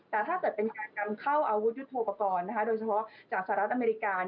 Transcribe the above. แต่ถ้าเกิดเป็นการนำเข้าอาวุธยุทธโปรกรณ์โดยเฉพาะจากสหรัฐอเมริกา